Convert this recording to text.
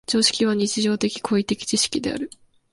常識は日常的・行為的知識である。